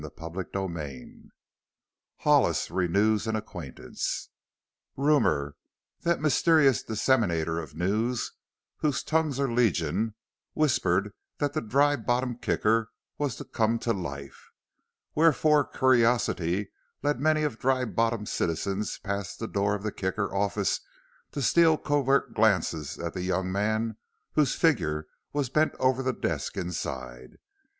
CHAPTER VI HOLLIS RENEWS AN ACQUAINTANCE Rumor, that mysterious disseminator of news whose tongues are legion, whispered that the Dry Bottom Kicker was to come to life. Wherefore curiosity led many of Dry Bottom's citizens past the door of the Kicker office to steal covert glances at the young man whose figure was bent over the desk inside.